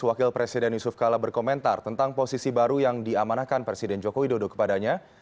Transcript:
wakil presiden yusuf kala berkomentar tentang posisi baru yang diamanahkan presiden joko widodo kepadanya